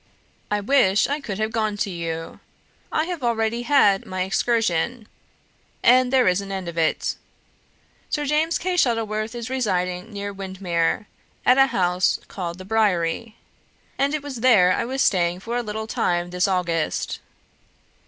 I wish I could have gone to you. I have already had my excursion, and there is an end of it. Sir James Kay Shuttleworth is residing near Windermere, at a house called the 'Briery,' and it was there I was staying for a little time this August.